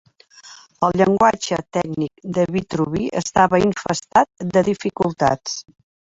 El llenguatge tècnic de Vitruvi estava infestat de dificultats.